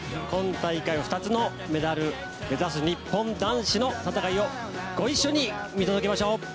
今大会、２つのメダルを目指す日本男子の戦いをご一緒に見届けましょう。